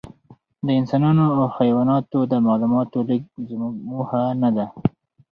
د انسانانو او حیواناتو د معلوماتو لېږد زموږ موخه نهده.